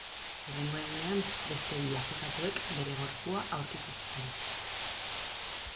Hurrengo egunean, beste bi akusatuek bere gorpua aurkitu zuten.